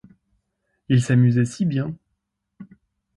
Ils s’amusaient si bien !